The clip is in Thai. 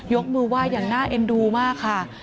ยกมือไหว้อย่างน่าเอ็นดูมากค่ะ